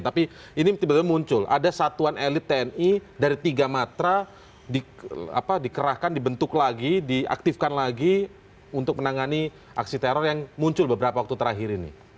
tapi ini tiba tiba muncul ada satuan elit tni dari tiga matra dikerahkan dibentuk lagi diaktifkan lagi untuk menangani aksi teror yang muncul beberapa waktu terakhir ini